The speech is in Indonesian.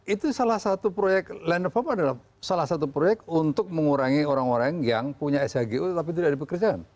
itu salah satu proyek land of home adalah salah satu proyek untuk mengurangi orang orang yang punya shgu tapi tidak dipekerjakan